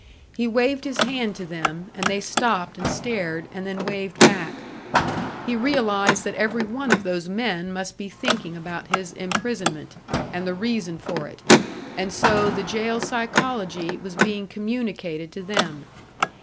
He waved his hand to them, and they stopped and stared, and then waved back; he realised that every one of those men must be thinking about his imprisonment, and the reason for it and so the jail psychology was being communicated to them.